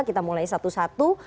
kita mulai satu satu